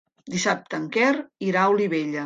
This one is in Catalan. Dissabte en Quer irà a Olivella.